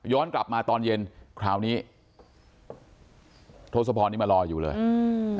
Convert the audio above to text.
กลับมาตอนเย็นคราวนี้ทศพรนี่มารออยู่เลยอืม